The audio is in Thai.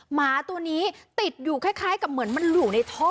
หมาตัวนี้ติดอยู่คล้ายกว่าถึงอยู่ในท่อ